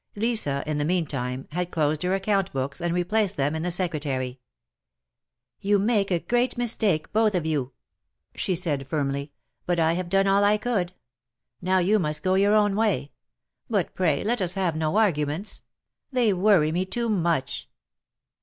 Lisa, in the meantime, had closed her account books and replaced them in the Secretary. ^'You make a great mistake, both of you," she said, firmly ; but I have done all I could. Now you must go your own way ; but pray let us have no arguments — they worry me too much."